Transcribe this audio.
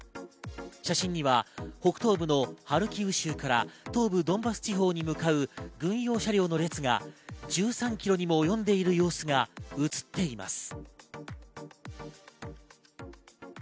写真には北東部のハルキウ州から東部ドンバス地方に向かう軍用車両の列が１３キロにもおよんでいる様子が映っています。